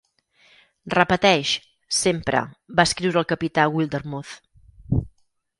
Repeteix, sempre, va escriure el capità Wildermuth.